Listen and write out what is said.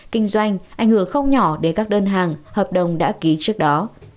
kinh doanh ảnh hưởng không nhỏ đến các đơn hàng hợp đồng đã ký trước đó